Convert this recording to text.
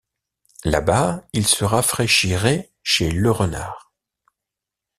Là-bas, ils se rafraîchiraient chez Lerenard.